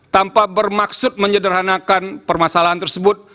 tanpa bermaksud menyederhanakan permasalahan tersebut